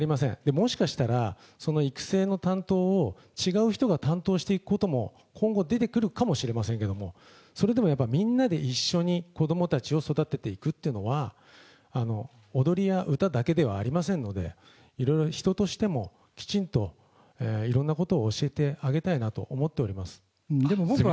もしかしたら、その育成の担当を違う人が担当していくことも、今後出てくるかもしれませんけれども、それでもやっぱり、みんなで一緒に子どもたちを育てていくっていうのは、踊りや歌だけではありませんので、いろいろ人としてもきちんといろんなことを教えてあげたいなと思でも僕は。